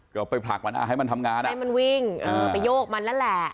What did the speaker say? ก็ไปผลักมันให้มันทำงานอ่ะให้มันวิ่งไปโยกมันนั่นแหละ